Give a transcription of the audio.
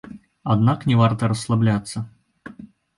Аднак не варта расслабляцца.